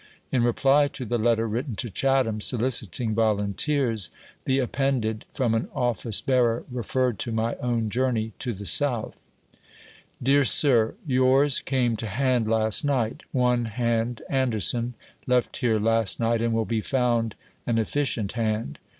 In reply to the letter written to Chatham, soliciting volunteers, the appended, from an office bearer, referred to my own journey to the South :— Bear Sir, — Yours came to hand last night. One hand (Anderson) left hero last night, and will be found an efficient hand.